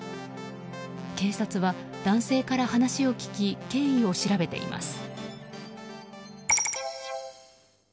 警察は男性から話を聞き経緯を調べています。